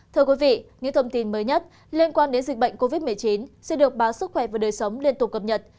thưa quý vị những thông tin mới nhất liên quan đến dịch bệnh covid một mươi chín sẽ được báo sức khỏe và đời sống liên tục cập nhật